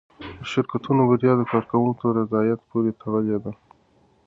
د شرکتونو بریا د کارکوونکو رضایت پورې تړلې ده.